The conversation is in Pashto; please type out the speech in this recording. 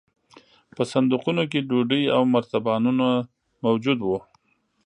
په صندوقونو کې ډوډۍ او مرتبانونه موجود وو